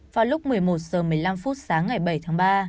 vào lúc một mươi một h một mươi năm sáng ngày bảy tháng ba